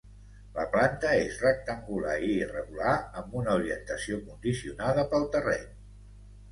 La planta és rectangular i irregular amb una orientació condicionada pel terreny.